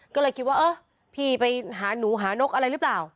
ก็เลยคิดว่าเออพี่ไปหาหนูหานกอะไรหรือเปล่า